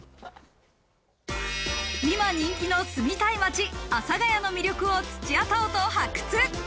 今人気の住みたい街・阿佐ヶ谷の魅力を土屋太鳳と発掘。